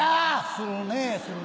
するねする。